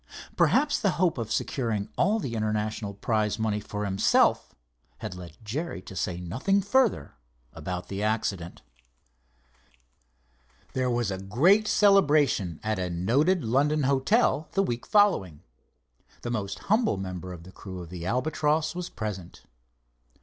Perhaps the hope of securing all the international prize money for himself, had led Jerry to say nothing further about the accident. There was a great celebration at a noted London hotel the week following. The most humble member of the crew of the Albatross was present.